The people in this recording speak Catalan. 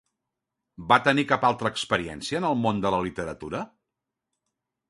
Va tenir cap altra experiència en el món de la literatura?